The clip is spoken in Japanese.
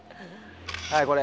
はいこれ。